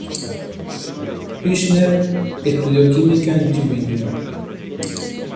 Büchner estudió química en Tübingen.